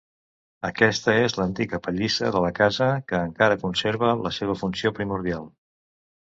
Aquesta és l'antiga pallissa de la casa que encara conserva la seva funció primordial.